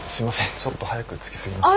ちょっと早く着きすぎました。